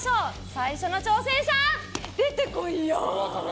最初の挑戦者、出てこいや！